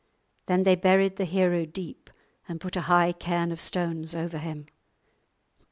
Then they buried the hero deep and put a high cairn of stones over him.